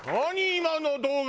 今の動画。